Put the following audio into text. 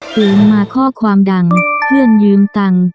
ตื่นมาข้อความดังเพื่อนยืมตังค์